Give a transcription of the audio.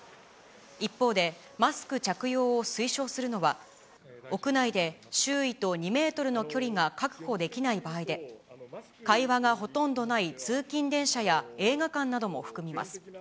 一方で、マスク着用を推奨するのは、屋内で周囲と２メートルの距離が確保できない場合で、会話がほとんどない通勤電車や映画館なども含みます。